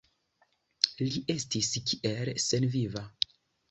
Li estis kiel senviva.